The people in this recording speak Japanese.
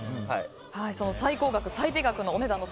最高額、最低額のお値段の差